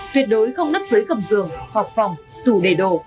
tuyệt đối không nấp dưới cầm giường họp phòng tủ đề đồ